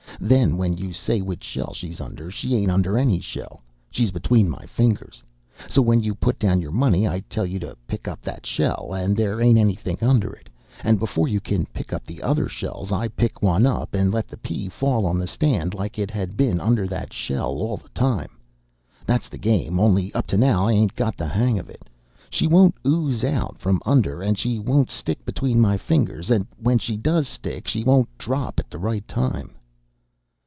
Then when you say which shell she's under, she ain't under any shell; she's between my fingers. So when you put down your money I tell you to pick up that shell and there ain't anything under it. And before you can pick up the other shells I pick one up, and let the pea fall on the stand like it had been under that shell all the time. That's the game, only up to now I ain't got the hang of it. She won't ooze out from under, and she won't stick between my fingers, and when she does stick, she won't drop at the right time."